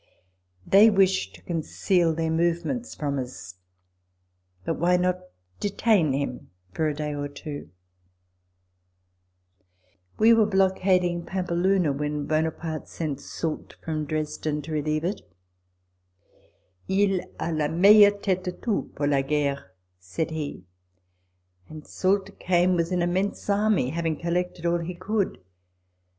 They wished to conceal their movements from us ; but why not detain him for a day or two ? We were blockading Pampeluna when Buona parte sent Soult from Dresden to relieve it. " II a la meilleure tete de tous pour la guerre," said he ; and Soult came with an immense army, having collected all he could.